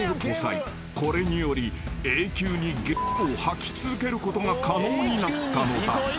［これにより永久にゲを吐き続けることが可能になったのだ］